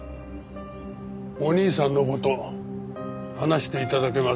お兄さんの事話して頂けますか？